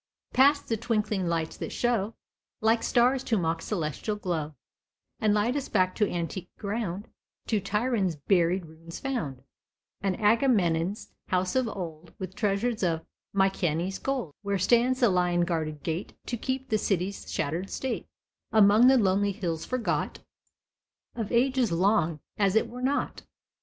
Past the twinkling lights that show, Like stars to mock celestial glow, And light us back to antique ground— To Tiryn's buried ruins found, And Agamemnon's house of old, With treasures of Mykenæ's gold, Where stands the lion guarded gate, To keep the city's shattered state, Among the lonely hills forgot Of ages long, as it were not.